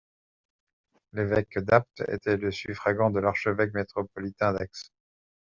L'évêque d'Apt était le suffragant de l'archevêque métropolitain d'Aix.